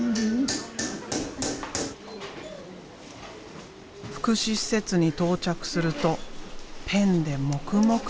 福祉施設に到着するとペンで黙々と書き始める。